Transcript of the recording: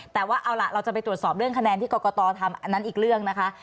แต่ว่าเอาล่ะเราจะไปตรวจสอบเรื่องคะแนนที่กรกตทำอันนั้นอีกเรื่องนะคะ